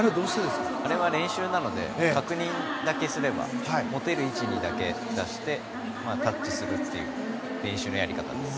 あれは練習なので確認だけすれば持てる位置にだけ出してタッチするという練習のやり方です。